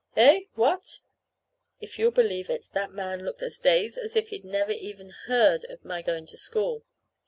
"Eh? What?" If you'll believe it, that man looked as dazed as if he'd never even heard of my going to school.